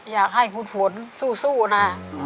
อยากให้คุณฝนสู้นะ